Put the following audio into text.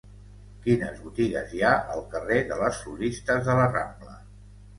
Quines botigues hi ha al carrer de les Floristes de la Rambla?